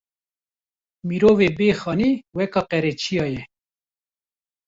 Mirovê bê xanî weka qereçiya ye